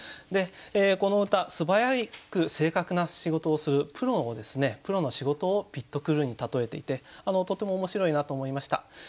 でこの歌素早く正確な仕事をするプロをプロの仕事をピットクルーに例えていてとても面白いなと思いました。